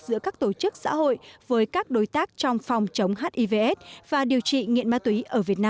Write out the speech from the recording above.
giữa các tổ chức xã hội với các đối tác trong phòng chống hivs và điều trị nghiện ma túy ở việt nam